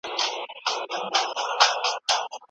استازي د هېواد په هره برخه کي فعال دي.